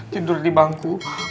tidur di bangku